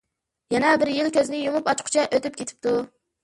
يەنە بىر يىل كۆزنى يۇمۇپ ئاچقۇچە ئۆتۈپ كېتىپتۇ.